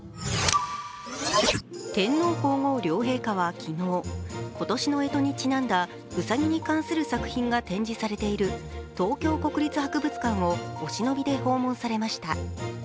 天皇皇后両陛下は昨日今年のえとにちなんだうさぎに関する作品が展示されている東京国立博物館をお忍びで訪問されました。